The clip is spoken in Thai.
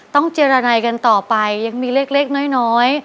ต้องเจรไนกันต่อไปยังมีเลขน้อย